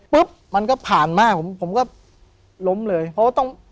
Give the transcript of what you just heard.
มันก็ผ่านมากผมผมก็ล้มเลยเพราะว่าต้อง